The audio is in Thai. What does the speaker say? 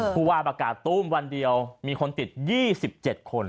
ผู้ว่าประกาศตู้มวันเดียวมีคนติด๒๗คน